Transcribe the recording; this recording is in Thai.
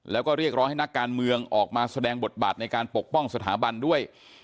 แล้วก็เรียกร้องให้นักการเมืองออกมาแสดงบทบาทในการปกป้องสถาบันด้วย